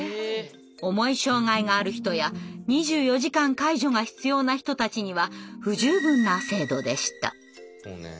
重い障害がある人や２４時間介助が必要な人たちには不十分な制度でした。